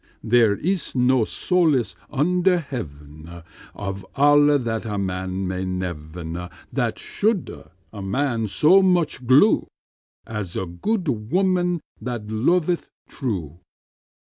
There ys no solas under hevene 5 Of alle that a man may nevene That shulde a man so moche glew As a gode womman that loveth true.